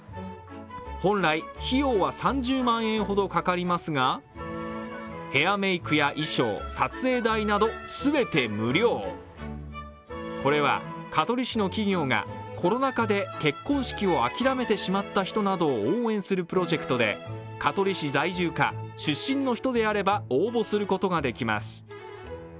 本来費用は３０万円ほどかかりますがこれは香取市の企業がコロナ禍で結婚式を諦めてしまった人などを応援するプロジェクトで香取市在住か、出身の人であれば応募することができます。